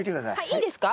いいですか？